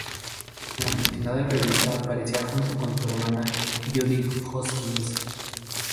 En la mencionada revista aparecía junto con su hermana Jody Hoskins.